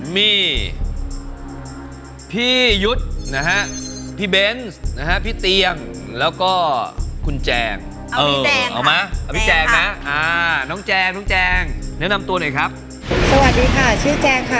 มีพี่ยุทธ์นะฮะพี่เบนส์นะฮะพี่เตียงแล้วก็คุณแจงเออเอาไหมเอาพี่แจงนะน้องแจงน้องแจงแนะนำตัวหน่อยครับสวัสดีค่ะชื่อแจงค่ะ